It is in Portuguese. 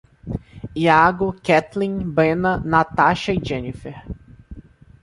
Hiago, Ketlin, Brena, Natasha e Jeniffer